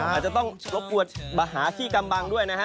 อาจจะต้องรบกวนหาที่กำบังด้วยนะฮะ